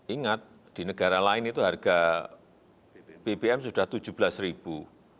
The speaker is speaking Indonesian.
ingat di negara lain itu harga bbm sudah rp tujuh belas ribu